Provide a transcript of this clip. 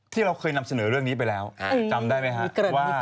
ที่เราเคยนำเสนอเรื่องนี้ไปแล้วจำได้ไหมครับว่า